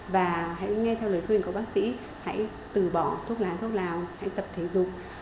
và hãy nghe theo lời khuyên của bác sĩ hãy từ bỏ thuốc lán thuốc lào hãy tập thể dục